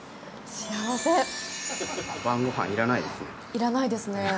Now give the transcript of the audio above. いらないですね。